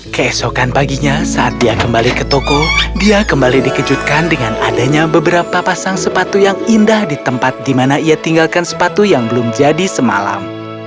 keesokan paginya saat dia kembali ke toko dia kembali dikejutkan dengan adanya beberapa pasang sepatu yang indah di tempat di mana ia tinggalkan sepatu yang belum jadi semalam